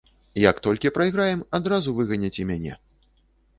Як толькі прайграем, адразу выганяць і мяне.